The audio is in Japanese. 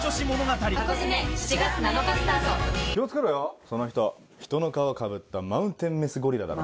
気を付けろよその人人の皮かぶったマウンテンメスゴリラだから。